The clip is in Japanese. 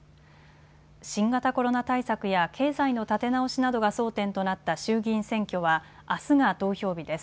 新型コロナ対策や経済の立て直しなどが争点となった衆議院選挙はあすが投票日です。